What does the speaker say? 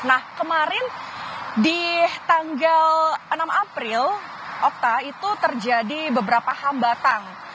nah kemarin di tanggal enam april okta itu terjadi beberapa hambatan